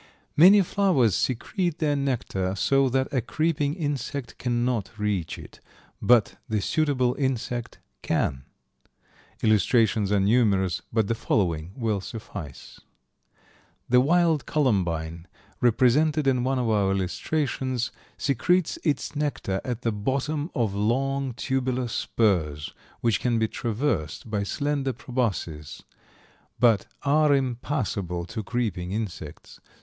Many flowers secrete their nectar so that a creeping insect cannot reach it, but the suitable insect can. Illustrations are numerous, but the following will suffice. The wild columbine, represented in one of our illustrations, secretes its nectar at the bottom of long tubular spurs, which can be traversed by slender probosces, but are impassable to creeping insects.